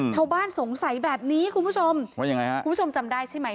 ชาวบ้านสงสัยแบบนี้คุณผู้ชมคุณผู้ชมจำได้ใช่ไหม